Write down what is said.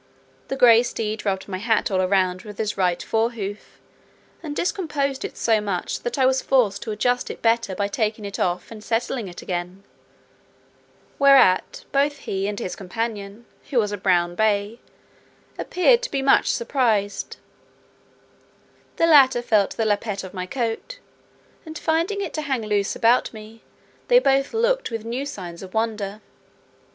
The gray steed rubbed my hat all round with his right fore hoof, and discomposed it so much that I was forced to adjust it better by taking it off and settling it again; whereat, both he and his companion (who was a brown bay) appeared to be much surprised: the latter felt the lappet of my coat, and finding it to hang loose about me, they both looked with new signs of wonder.